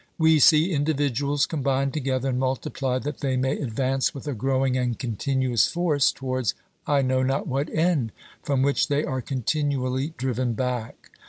We see individuals com bine together and multiply that they may advance with a growing and continuous force towards I know not what end, from which they are continually driven back.